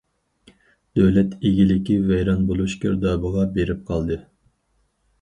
دۆلەت ئىگىلىكى ۋەيران بولۇش گىردابىغا بېرىپ قالدى.